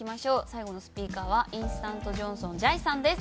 最後のスピーカーはインスタントジョンソンじゃいさんです。